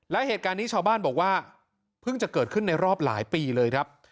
และเหตุการณ์นี้ชาวบ้านบอกว่าเพิ่งจะเกิดขึ้นในรอบหลายปีเลยครับ